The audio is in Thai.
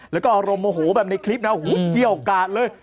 แล้วก็อารมณ์โมโหแบบในคลิปนะเกี่ยวกาดเลย